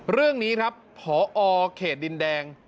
เรื่องนี้ครับพอเขตดินแดง